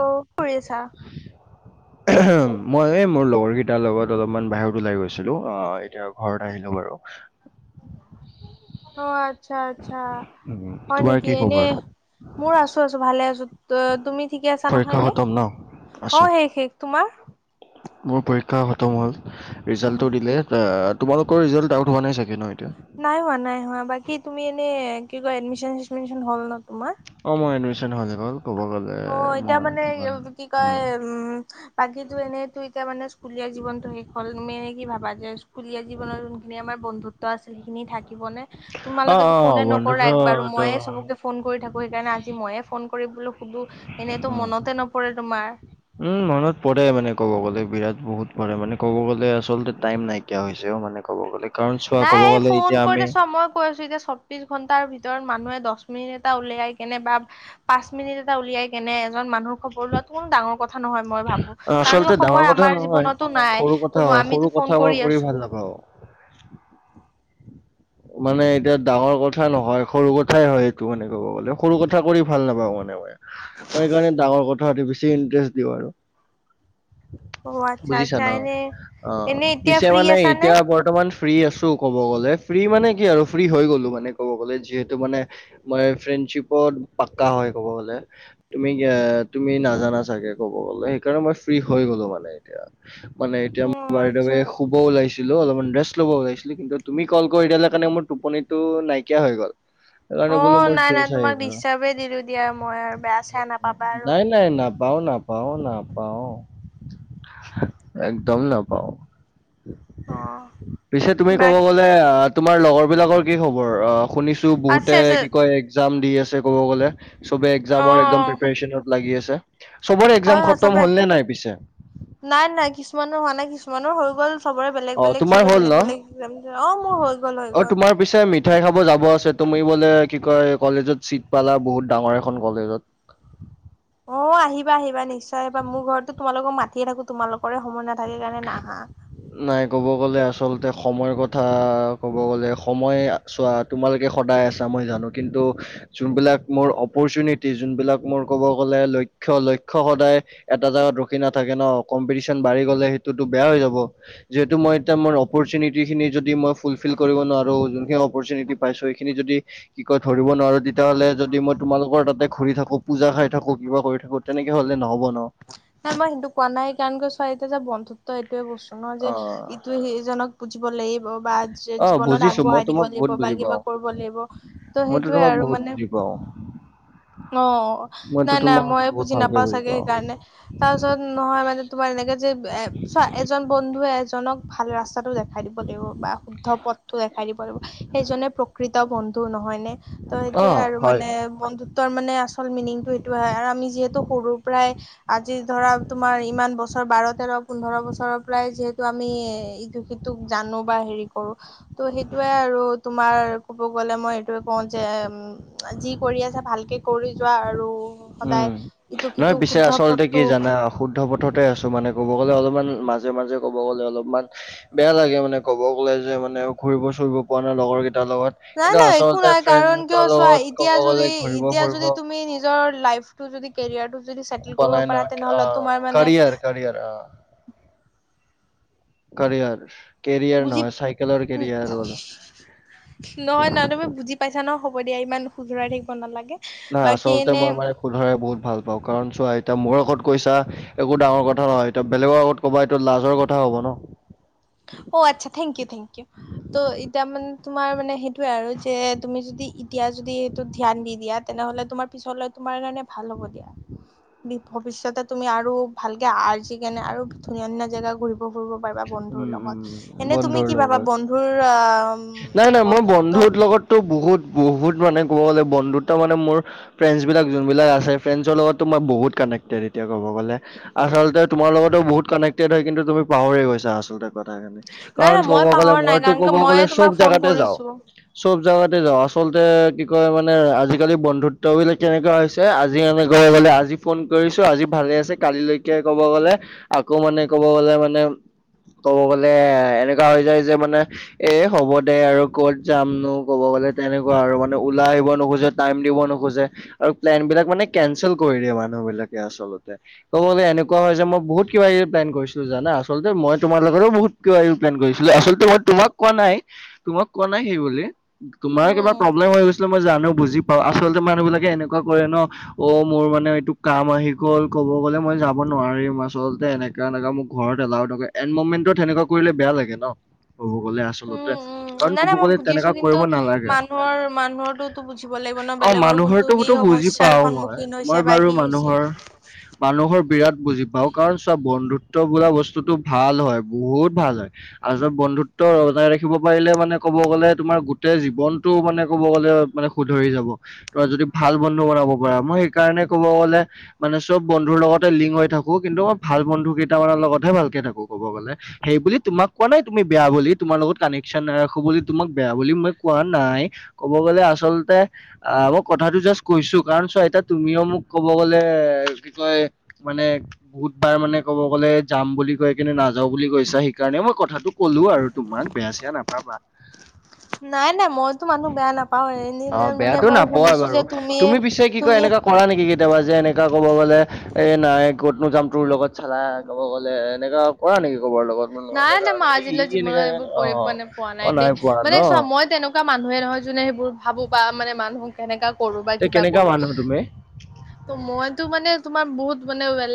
অ কি কৰি আছা? মই এই মোৰ লগৰকেইটাৰ লগত অলপমান বাহিৰত ওলাই গৈছিলো। আ এতিয়া ঘৰত আহিলো বাৰু। [unintelligible] অ আচ্ছা, আচ্ছা উম, হয় তোমাৰ নেকি? কি এনে খবৰ? মোৰ আছ আছো ভালে আছো। অ তুমি ঠিকে আছা পৰীক্ষা নহয় এনে? খতম ন? অ আছো। শেষ, শেষ তোমাৰ? মোৰ পৰীক্ষা খতম হ'ল। ৰিজাল্টটো দিলে। তোমালোকৰ ৰিজাল্টটো আউট হোৱা নাই চাগে ন এতিয়া? নাই হোৱা, নাই হোৱা। বাকী তুমি এনে কি কয় এডমিছন-চেদমিচন হ'ল ন তোমাৰ? অ মই এডমিছন হয় গ'ল ক'ব গল অ এতিয়া মানে কি কয় উম বাকীটো এনেইটো এতিয়া মানে স্কুলীয়া জীৱনটো শেষ হ'ল। তুমি এনে কি ভাবা যে স্কুলীয়া জীৱনত যোনখিনি আমাৰ বন্ধু ত আছিল সেইখিনি থাক থাকিবনে? অ তোমালোকেটো অ ফনে নকৰা বন্ধুতো একবাৰো। একদম ময়ে চবকে ফোন কৰি থাকো সেইকাৰণে আজি ময়ে ফন কৰি বোলো সুধো এনেইটো উম মনতে নপৰে তোমাৰ। উম মনত পৰে মানে ক'ব গ'লে বিৰাট বহুত পৰে মানে ক'ব গ'লে আচলতে টাইম নাই। নাইকিয়া হৈছে অ মানে ক'ব গ'লে। কাৰণ চোৱা নাই ক'ব এই গ'লে ফোন এতিয়া কৰি আমি দেছোৱা মই কৈ আছো এতিয়া চব বিছ ঘণ্টাৰ ভিতৰত মানুহে দছ মিনিট এটা উলিয়াই কেনে বা পাঁচ মিনিট এটা উলিয়াই কেনে এজন মানুহৰ খবৰ লোৱাটো কোনো ডাঙৰ কথা কথা নহয় মই ভাবো। অ, কাৰণ আচলতে ডাঙৰ সময় কথা আমাৰ নহয়, জীৱনতো নাই। সৰু কথা ত মই হয়। সৰু আমিতো কথা ফন মই কৰি ভাল আছোঁ। নাপাওঁ। মানে এতিয়া ডাঙৰ কথা নহয় সৰু কথাই হয় সেইটো মানে ক'ব গ'লে। সৰু কথা কৰি ভাল নাপাওঁ মানে মই। মই সেইকাৰণে ডাঙৰ কথাত বেছি ইণ্টাৰেষ্ট দিওঁ আৰু। অ আচ্ছা বুজিছা আচ্ছা ন? এনে অ এনে এতিয়া পিছে ফ্ৰী মানে আছা নে? এতিয়া বৰ মান ফ্ৰী আছো ক'ব গ'লে। ফ্ৰী মানে কি আৰু ফ্ৰী হৈ গলো মানে ক'ব গ'লে। যিহেতু মানে মই ফ্ৰেণ্ডশ্বিপত পাক্কা হয় ক'ব গলে। তুমি তুমি নাজানা চাগে ক'ব গলে। সেইকাৰণে মই ফ্ৰী হৈ গলো মানে এতিয়া। মানে এতিয়া অ আচ্ছা [unintelligible] শুব ওলাইছিলো। অলপমান ৰেষ্ট ল'ব ওলাইছিলো। কিন্তু তুমি কল কৰি দিলা কাৰণে মোৰ টোপনিটো নাইকিয়া হৈ গ'ল। সেইকাৰণে অ বোলো মোৰ নাই নাই জোচ আহি তোমাক গ'ল ডিষ্টাৰ্বহে দিলো দিয়া মই আৰু বেয়া-চেয়া নাপাবা আৰু। নাই না নাপাওঁ, নাপাওঁ, নাপাওঁ একদম নাপাওঁ। অ পিছে তুমি ক'ব বাকী গলে আ তোমাৰ লগৰ বিলাকৰ কি খবৰ? অ শুনিছ আছে বহুতে আছে কি কয় এক্সাম দি আছে ক'ব গ'লে। চবে অ এক্সামৰ একদম প্ৰিপেৰেচনত লাগি আছে। চবৰে হয় এক্সাম হয় খতম চবে হল নে নাই পিছে? নাই নাই। কিছুমানৰ হোৱা নাই, কিছুমানৰ হৈ গ'ল। চবৰে বেলেগ অ বেলেগ। তোমাৰ চবে হ'ল বেলেগ ন বেলেগ এক্সাম দিছে। অ মোৰ হৈ গ'ল, হৈ অ গ'ল। তোমাৰ পিছে মিঠাই খাব যাব আছে তুমি বোলে কি কয় কলেজত চিট পালা বহুত ডাঙৰ এখন কলেজত। অ আহিবা আহিবা নিশ্চয় আহিবা মোৰ ঘৰতো তোমালোকক মায়ে থাকো তোমালোকৰে সময় নাথাকে কাৰণে নাহা। নাই ক'ব গ'লে আচলতে সময়ৰ কথা ক'ব গ'লে সময়ে। চোৱা তোমালোকে সদায় আছা মই জানো কিন্তু। যোনবিলাক মোৰ অপৰচুনিটি যোনবিলাক মোৰ ক'ব গ'লে লক্ষ্য লক্ষ্য সদায়- এটা জাগাত ৰখি নাথাকে ন কম্পিটিশন বাঢ়ি গ'লে সেইটোতো বেয়া হৈ যাব। যিহেতু মই এতিয়া মোৰ অপৰচুনিটিখিনি যদি মই ফুলফিল কৰিব নোৱাৰো যোনখিনি অপৰচুনুটি পাইছো সেই খিনি যদি- কি কয় ধৰিব নোৱাৰো তেতিয়াহলে যদি মই তোমালোকৰ তাতে ঘুৰি থাকো পূজা খাই থাকো কিবা কৰি থাকো। তেনেকে হ'লে নহ'ব ন। নাই মই সেইটো কোৱা নাই কাৰণ ক ছোৱা এটা যে বন্ধত্ব ত এইটোয়ে বস্তু ন যে অ ইটোয়ে সিজনক বুজিব লাগিব বা অ জীৱনত বুজিছো মই আগবঢ়াই দিব। তোমাক বা বহুত বুজি পাওঁ কিবা কৰিব লাগিব ত' মইতো সেইটোয়ে তোমাক আৰু বহুত মানে। বুজি পাওঁ। অ মইতো নাই নাই তোমাক মই বহুত বুজি ভালকে নাপাও চাগে পাওঁ। সেইকাৰণে। তাৰ পিছত নহয় মানে তোমাৰ এনেকে যে এ চোৱা এজন বন্ধুৱে এজনক ভাল ৰাস্তাটো দেখ। দেখাই দিব লাগিব বা শুদ্ধ পথটো দেখাই দিব লাগিব, সেইজনে প্ৰকৃত বন্ধু নহয় নে? ত সেইটোয়ে অ', আৰু হয়। মানে বন্ধু ত্ব মানে আচল মিনিংটো সেইটো হয় আৰু আমি যিহেতু সৰুৰ পৰাই আ জি ধৰা তোমাৰ ইমান বছৰ বাৰ তেৰ পোন্ধৰ বছৰৰ পৰাই যিহেতু আমি। তোক জানো বা হেৰি কৰো। ত' সেইটোয়ে আৰু তোমাৰ কব গ'লে মই এইটোয়ে কওঁ যে উম। যি কৰি আছো ভালকে কৰি যোৱা আৰু উম। সদায় ইটো নহয় সিটো পিছে শুদ্ধ আচলতে পথ কি জানা শুদ্ধ পথতে আছো মানে ক'ব গ'লে অলপমান মাজে মাজে ক'ব গ'লে অলপমান। বেয়া লাগে মানে ক'ব গ'লে যে মানে ঘুৰিব চুৰিব পৰা নাই লগৰ কেইটাৰ লগত। নাই কিন্তু নাই একো আচলতে নাই কাৰণ কিয় ফ্ৰেণ্ডছৰ চোৱা লগত ক'ব এতিয়া গ'লে যদি ঘূৰিব এতিয়া ফুৰিব যদি তুমি। নিজৰ লাইফটো যদি কেৰিয়াৰটো যদি চেটেল কৰিব পাৰা তেনেহলে তোমাৰ মানে - কিয়াৰ অ কাৰিয়াৰ কেৰিয়াৰ বুজি নহয় চাইকেলৰ কেৰিয়াৰ বল। নহয় নহয়, তুমি বুজি পাইছা ন হ'ব দিয়া ইমান সুধৰাই থাকিব নালাগে। নাই বাকী আচলতে এনে মই মানে শুধৰাই বহুত ভাল পাওঁ কাৰণ চোৱা এতিয়া মোৰ আগত কৈছা একো ডাঙৰ কথা নহয় এয়া বেলেগৰ আগত ক'বা এইটো লাজৰ কথা হ'ব ন। অ আচ্ছা থেংক ইউ থেংক ইউ। ত' এতিয়া মানে তোমাৰ মানে সেইটোয়ে আৰু যে তুমি যদি এতিয়া যদি। ধ্যান দি দিয়া তেনেহলে তোমাৰ পিছ তোমাৰ কাৰণে ভাল হ'ব দিয়া। ভৱিষ্যতে তুমি আৰু ভালকে আৰ্জি কেনে আৰু ধুনীয়া ধুনীয়া জেগা ঘূ ৰিব ফুৰিব পাৰিবা বন্ধুৰ উম উম লগত। এনে তুমি বন্ধুৰ কি ভাবা লগত বন্ধুৰ আহ বন্ধুত্ব - তো বহুত বহুত মানে ক'ব গ'লে বন্ধুতা মানে মোৰ, ফ্ৰেণ্ড বিলাক যোনবিলাক আছে ফ্ৰেণ্ডৰ লগতো মই বহুত কানেক্টেড এতিয়া ক'ব গ'লে। আচলতে তোমাৰ লগতো বহুত কানেক্টেড হয়, কিন্তু তুমি পাহৰি গৈছা আচলতে কথাখিনি। নাই কাৰণ নাই কব মই গ'লে পাহৰা নাই মইতো কাৰণ ক'ব কিয় ময়ে গ'লে চব তোমাক ফোন জাগাতে যাওঁ। কৰিছো চব জাগাতে যাওঁ, আচলতে কি কয় মানে আজিকালি বন্ধুত্ব বিলাক কেনেকুৱা হৈ আজি এনে ক'ব গ'লে আজি ফোন কৰিছোঁ আজি ভালে আছে কালিলৈকে ক'ব গ'লে, আকৌ মানে ক'ব গলে মানে কব গলে এনেকুৱা হৈ যায় যে মানে, এ হ'ব দে আৰু ক'ত যামনো ক'ব গ'লে তেনেকুৱা আৰু মানে ওলাই আহিব নোখোজে, টাইম দিব নোখোজে আৰু প্লেন বিলাক মানে কেনচেল কৰি দিয়ে মানুহ বিলাকে আচলতে। ক'ব গ'লে এনেকুৱা হয় যে মই বহুত কিবা কিবি প্লেন কৰিছিলো জানা আচলতে মই, তোমাৰ লগতো বহুত কিবাকিবি প্লেন কৰিছিলো, আচলতেই তোমাক কোৱা নাই, তোমাক কোৱা নাই সেইবুলি। তোমাৰ কিবা উম প্ৰব্লেম হৈ গৈছিলে মই জানো বুজি পাও, আচলতে মানুহ বিলাকে এনেকুৱা কৰে ন অ মোৰ মানে এইটো কাম আহি গ'ল, কব গ'লে মই যাব নোৱাৰিম আচলতে এনেক। কা এনে কাম মোক ঘৰত এলাও নকৰে এনমেনটো তেনেকুৱা কৰিলে বেয়া লাগে ন, ক'ব গ'লে আ- আচলতে। উম উম কাৰণ নাই কব নাই মই গলে, বুজিছো তেনেকা কিন্তু কৰিব নালাগে। মানুহৰ মানুহৰটোতো বুজিব লাগিব ন অ' বেলেগৰ কোনটো কি মানুহৰটোতো বুজি সমস্যাৰ পাওঁ মই। সন্মুখীন হৈছে মই বা বাৰু কি হৈছে মানুহৰ মানুহৰ বিৰাট বুজি পাওঁ। কাৰণ চোৱা, বন্ধুত্ব বোলা বস্তুটো ভাল হয়, বহুত ভাল হয়। আৰু য বন্ধুত্ব বজাই ৰাখিব পাৰিলে মানে, কব গলে তোমাৰ গোটেই জীৱনটো মানে কব গলে মানে, শুধৰি যাব, তই যদি ভাল বন্ধু বনাব পাৰা। মই সেইকাৰণে কব গ'লে, মানে চব বন্ধুৰ লগতে লিংক হৈ থাকোঁ, কিন্তু মই ভাল বন্ধু কেইটামানৰ লগতহে ভালকে থাকোঁ, ক'ব গ'লে। সেই বুলি তোমাক কোৱা নাই তুমি বেয়া বুলি। তোমাৰ লগত কানেকশ্যন নাৰাখো বুলি তোমাক বেয়া বুলি মই কোৱা নাই। ক'ব গ'লে আচলতে আ- মই কথাটো জাষ্ট কৈছোঁ। কাৰণ চোৱা, এতিয়া তুমিও মোক কব গ'লে, কি কয় মানে বহুতবাৰ মানে ক'ব গলে যাম বুলি কৈ কিন্তু নাযাওঁ বুলি কৈছা সেইকাৰণে মই কথাটো ক'লো আৰু তোমাক। বেয়া-চেয়া নাপাবা। নাই - নাই, মইতো মানুহ বেয়া নাপাওঁ। এনে - অ এনে মানে বেয়াটো মই নাপোৱা শুনিছোঁ বাৰু যে তুমিয়ে তুমি পিছে কি কয় তুমি এনেকা কৰা নেকি কেতিয়াবা যে এনেকুৱা ক'ব গ'লে, এই নাই, ক'তনো যাম তোৰ লগত চালা, ক'ব গ'লে এনেকুৱা কৰা নেকি ক'বাৰ লগত? ম নাই - এনেকা নাই, মই এই আজিলৈ ই এনেকা জীৱনত এইবোৰ অ কৰি পোৱা নে- পোৱা অ নাই দেই। পোৱা ন মানে চোৱা, মই তেনে কুৱা মানুহে নহয়, যোনে সেইবোৰ ভাবোঁ বা মানে মানুহ তেনেকা কৰোঁ বা তে কিবা কেনেকা কৰোঁ। মানুহ তুমি তো মইতো মানে তোমাৰ বহুত মানে ৱেল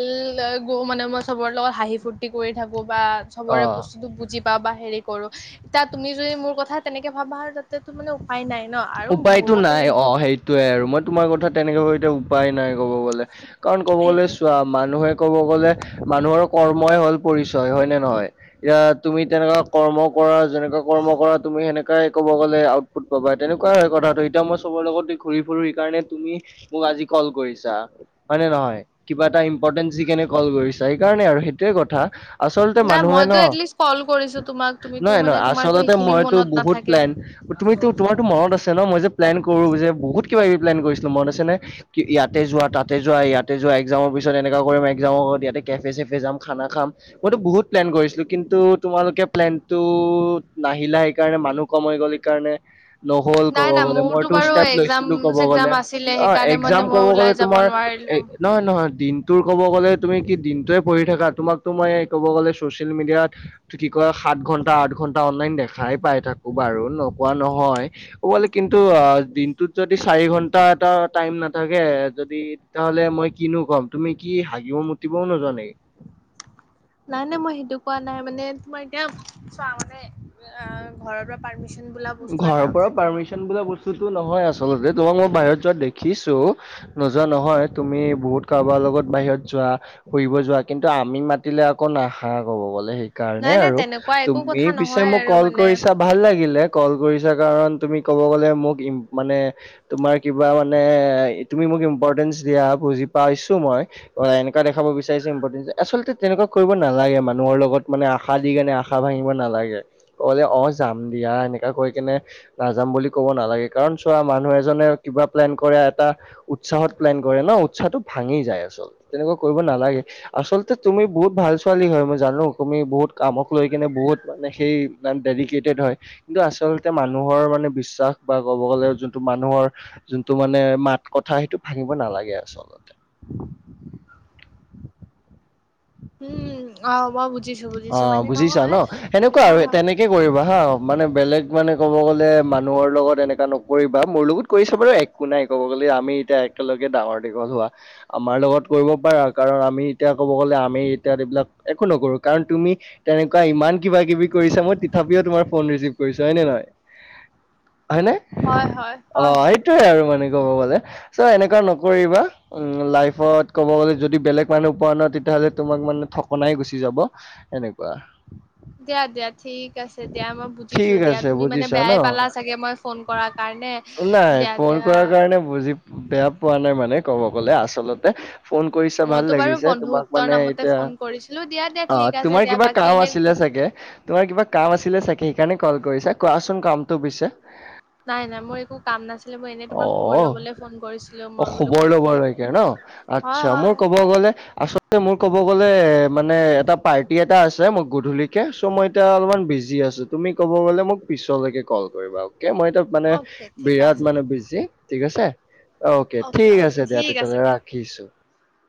গ, মানে মই চবৰ লগত হাঁহি ফুুৰ্- তি কৰি থাকোঁ বা চবৰে অ বস্তুটো বুজি বা বা হেৰি কৰোঁ। এতিয়া তুমি যদি মোৰ কথা তেনেকে ভাবা, তাতেতো মানে উপায় নাই ন আৰু মোৰ উপায়তো মতে নাই, অ'। সেইটোৱে আৰু, মই তোমাৰ কথা তেনেকে [unintelligible] এতিয়া উপায় নাই, কব গ'লে। কাৰণ কব গ'লে সেইটোৱে চোৱা, মানুহে কব গলে মানুহৰ কৰ্মই হ'ল পৰিচয়, হয়নে নহয়? এয়া তুমি তেনেকুৱা কৰ্ম কৰা, যেনেকুৱা কৰ্ম কৰা, তুমি সেনেকাই ক'ব গলে আউটপুট পাবা। তেনেকুৱা হয় কথাটো। এতিয়া মই চবৰ লগতে ঘূৰি ফুুৰোঁ, সেইকাৰণে তুমি মোক আজি ক'ল কৰিছা। হয়নে নহয়? কিবা এটা ইম্পৰ্টেচ ইকানে কল কৰিছা। সেইকাৰণে আৰু, সেইটোৱে কথা। আচলতে নাই মানুহে মইতো ন', এটলিষ্ট কল কৰিছো তোমাক তুমিতো মানে নহয়-নহয়, তোমাৰতো আচলতে সেইখিনি মইতো মনত বহুত নাথাকে। প্লেন তুমিতো- তোমাৰতো মনত আছে ন', মই যে প্লেন কৰোঁ যে বহুত কিবা-কিবি প্লেন কৰিছিলোঁ, মনত আছেনে? কি ইয়াতে যোৱা, তাতে যোৱা, ইয়াতে যোৱা, এক্সামৰ পিছত এনেকুৱা কৰিম, এক্জামৰ আগত ইয়াতে কেফে-চেফে যাম, খানা খাম মইতো বহুত প্লেন কৰিছিলোঁ। কিন্তু তোমালোকে প্লেনটোত নাহিলা, সেইকাৰণে মানুহ কম হৈ গ'ল, এই কাৰণে। নহ'ল নাই কব নাই গ'লে। মোৰতো মইটো বাৰু ষ্টেপ এক্জাম লৈছিলোঁ ক'ব চেক্জাম গ'লে। আছিলে অ' সেইকাৰণে মানে একজাম মই কব ওলাই গলে, যাব তোমাৰ নোৱাৰিলো। এ নহয় - নহয়। দিনটোৰ ক'ব গ'লে, তুমি কি দিনটোৱে পঢ়ি থাকা? তোমাকতো মই ক'ব গ'লে ছ'চিয়েল মিডিয়াত টো কি কয়, সাত ঘণ্টা - আঠ ঘণ্টা অনলাইন দেখাই পাই থাকোঁ বাৰু, নোপোৱা নহয়। ক'ব গ'লে কিন্তু অ' দিনটোত যদি চাৰি ঘন্টা এটা টাইম নাথাকে যদি তেতিয়াহলে মই কিনো কম? তুমি কি হাগিব - মুতিবও নোযোৱা নেকি? নাই - নাই, মই সেইটো কোৱা নাই। মানে তোমাৰ এতিয়া- চোৱা, মানে অ'- ঘৰৰ পৰা পাৰ্মিচ ঘৰৰ পৰা পাৰ্মিচন বোলা বস্তুটো নহয় আচলতে। তোমাক মই বাহিৰত যোৱা দেখিছোঁ। নোযোৱা নহয়। তুমি বহুত কাৰোবাৰ লগত বাহিৰত যোৱা। ফুৰিব যোৱা। কিন্তু আমি মাতিলে আকৌ নাহা, কব গ'লে। সেই কাৰণে নাই নাই আৰু। তেনেকুৱা একো তুমি কথা পিছে নহয় মোক আৰু কল মানে কৰিছা ভাল লাগিলে। কল কৰিছা কাৰণ, তুমি ক'ব গ'লে মোক ইম্প- মানে তোমাৰ কিবা মানে- তুমি মোক ইম্পৰ্টেন্ঞ্চ দিয়া, বুজি পাইছোঁ মই। অ' এনেকুৱা দেখাব বিচাৰিছে ইম্পৰ্টেছ যে- আচলতে তেনেকুৱা কৰিব নালাগে মানুহৰ লগত, মানে আশা দিকেনে আশা আশা ভাঙিব নালাগে। কবলে অ' যাম দিয়া, এনেকা কৈকেনে নাযাম বুলি ক'ব নালাগে। কাৰণ চোৱা, মানুহ এজনে কিবা প্লেন কৰে এটা উৎসাহত প্লেন কৰে ন', উৎসাহটো ভাঙি যায় আচলতে, তেনেকুৱা কৰিব নালাগে। আচলতে তুমি বহুত ভাল ছোৱালী হয়, মই জানো। তুমি বহুত কামক লৈকিনে বহুত মানে সেই ডেডিকেটেড হয়। কিন্তু আচলতে মানুহৰ মানে বিশ্বাস বা ক'ব গ'লে যোনটো মানুহৰ যোনটো মানে মাত-কথা, সেইটো ভাঙিব নালাগে আচলত। [inaudible] উম অ' মই বুজিছো বুজিছো অ', মানে বুজিছা নহয় ন সেনেকুৱা আৰু হয় হয় তেনেকে কৰিবা হা মানে বেলেগ মানে ক'ব গ'লে মানুহৰ লগত এনেকুৱা নকৰিবা মোৰ লগত কৰিচা বাৰু এক একো নাই ক'ব গ'লে, আমি এতিয়া একেলগে ডাঙৰ দীঘল হোৱা। আমাৰ লগত কৰিব পাৰা, কাৰণ আমি এতিয়া ক'ব গ'লে আমি এতিয়াত এইবিলাক একো নকৰোঁ। কাৰণ তুমি তেনেকুৱা ইমান কিবা কিবি কৰিছা, মই তথাপিও তোমাৰ ফোন ৰিচিভ কৰিছো হয় নে নহয়? হয়নে? হয় হয় হয়। সেইটোৱে আৰু মানে কব গলে। চ' এনেকুৱা নকৰিবা। উ লাইফত ক'ব গ'লে যদি বেলেগ মানুহ পোৱা ন তেতিয়াহ'লে তোমাক মানে ঠকনাই গুচি যাব। এনেকুৱা। দিয়া দিয়া। ঠিক আছে দিয়া মই বুজিছোঁ ঠিক দিয়া, আছে তুমি মানে বুজিছা ন? বেয়াই পালা চাগে মই ফোন কৰাৰ কাৰণে। নাই দিয়া ফোন দিয়া কৰাৰ কাৰণে বুজি বেয়া পোৱা নাই মানে ক'ব গ'লে আচলতে। ফোন কৰিছো ভাল মইতো বাৰু লাগিছে, তোমাক বন্ধুত্বৰ মানে নামতে এতিয়া ফোন কৰিছিলো দিয়া দিয়া ঠিক অ' আছে তোমাৰ দিয়া কিবা বাকী কাম এনে আছিলে চাগে, তোমাৰ কিবা কাম আছিলে চাগে সেইকাৰণে কল কৰিছা? কোৱাচোন কামটো পিছে? নাই নাই মই একো কাম নাছিলে, মই এনেই তোমাৰ খবৰ অ। লবলে ফোন কৰিছিলো, অ মই বোলো খবৰ ক'ত ল'বৰ কি লৈকে ন হয় আচ্ছা মোৰ হয় কব গলে আচলতে মোৰ কব গলে মানে এটা পাৰ্টি এটা আছে মই গধূলিকে চ' মই এতিয়া অলপমান বিজি আছো। তুমি ক'ব গ'লে মোক পিছলৈকে কল কৰিবা অকে। মই এতিয়া মানে অ'কে ঠিক বিৰাট আছে মানে বিজি ঠিক আছে। অকে ঠিক অ'কে আছে দিয়া, ঠিক তেতিয়া হ'লে আছে দিয়া ৰাখিছো।